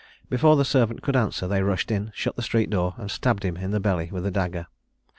Before the servant could answer, they rushed in, shut the street door, and stabbed him in the belly with a dagger.